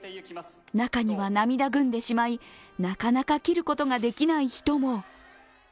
中には涙ぐんでしまい、なかなか切ることができない人も。